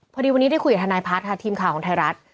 พอดีวันนี้ได้คุยกับทนายพัฒน์ค่ะทีมข่าวของไทยรัฐ